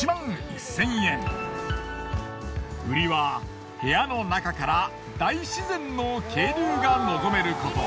ウリは部屋の中から大自然の渓流が望めること。